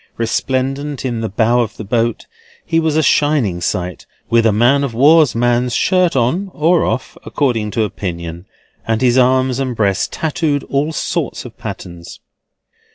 Resplendent in the bow of the boat, he was a shining sight, with a man of war's man's shirt on—or off, according to opinion—and his arms and breast tattooed all sorts of patterns.